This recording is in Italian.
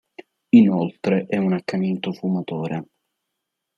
Inoltre è un accanito fumatore.